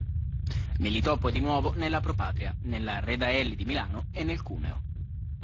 Militò poi di nuovo nella Pro Patria, nella Redaelli di Milano e nel Cuneo.